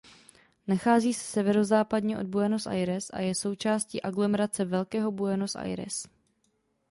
Nachází se severozápadně od Buenos Aires a je součástí aglomerace Velkého Buenos Aires.